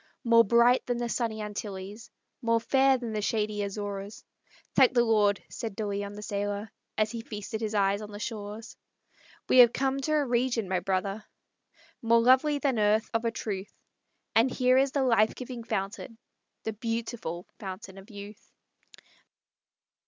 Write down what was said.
More bright than the sunny Antilles, More fair than the shady Azores. "Thank the Lord!" said De Leon, the sailor As feasted his eye on the shores, "We have come to a region, my brothers, More lovely than earth, of a truth; And here is the life giving fountain, The beautiful Fountain of Youth."